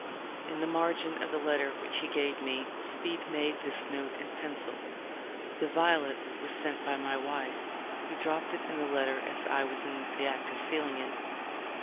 In the margin of the letter which he gave me, Speed made this note in pencil : "The violet was sent by my wife, who dropped it in the letter as I was in the act of sealing it.